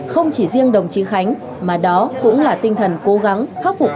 không chỉ riêng đồng chí khánh mà đó cũng là tinh thần cố gắng khắc phục